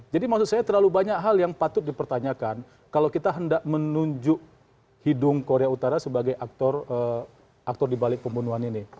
jadi maksud saya terlalu banyak hal yang patut dipertanyakan kalau kita hendak menunjuk hidung korea utara sebagai aktor di balik pembunuhan ini